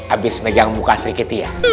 abis megang muka sri kitty ya